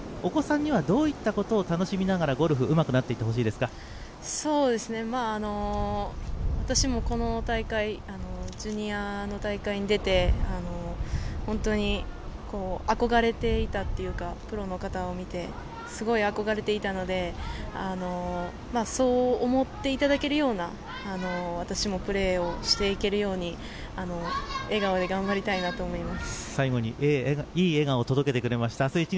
ギャラリーの中にお子さんの姿がたくさん見掛けられるんですけどもお子さんにはどういったことを楽しみながらゴルフうまくなって私もこの大会ジュニアの大会に出て本当に憧れていたというかプロの方を見てすごい憧れていたのでそう思っていただけるような私もプレーをしていけるように笑顔で頑張りたいなと思います。